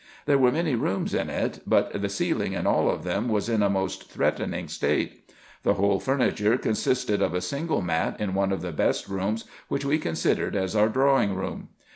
There were many rooms in it, but the ceiling in all of them was in a most threatening state. The whole furniture consisted of a single mat in one of the best rooms, which we considered as our drawing room.